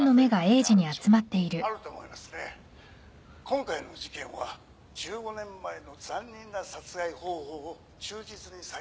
今回の事件は１５年前の残忍な殺害方法を忠実に再現しています。